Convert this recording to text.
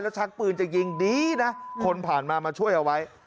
ชักปืนจะยิงดีนะคนผ่านมามาช่วยเอาไว้